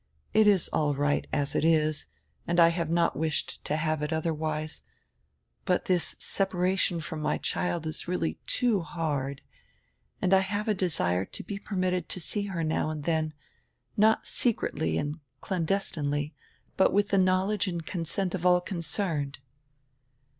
It is all right as it is, and I have not wished to have it otherwise. But this separation from my child is really too hard and I have a desire to be permitted to see her now and then, not secretly and clandestinely, but with die knowledge and consent of all concerned."